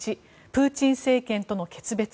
１プーチン政権との決別